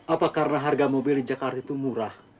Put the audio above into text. apa karena harga mobil di jakarta itu murah